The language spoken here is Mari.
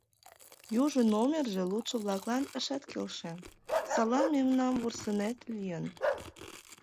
Южо номерже лудшо-влаклан ышат келше, садлан мемнам вурсынет лийын.